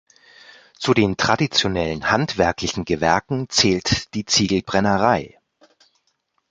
Zu den traditionellen handwerklichen Gewerken zählt die Ziegelbrennerei.